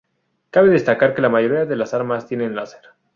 Cabe destacar que la mayoría de las armas tienen láser.